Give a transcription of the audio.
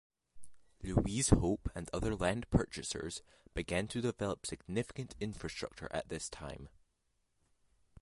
Louis Hope and other land purchasers began to develop significant infrastructure at this time.